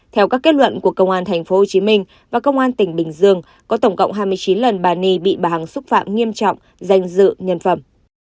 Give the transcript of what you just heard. theo các kết luận của công an tp hcm và công an tỉnh bình dương có tổng cộng hai mươi chín lần bà ni bị bà hằng xúc phạm nghiêm trọng danh dự nhân phẩm